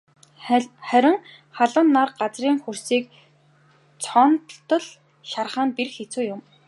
Харин халуун нар газрын хөрсийг цоонотол шарах нь бэрх хэцүү юм.